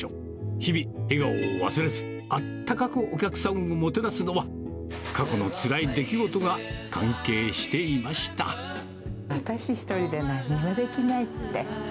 日々、笑顔を忘れず、あったかくお客さんをもてなすのは、過去のつらい出来事が関係し私一人で何もできないって。